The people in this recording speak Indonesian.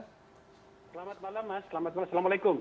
selamat malam mas selamat malam assalamualaikum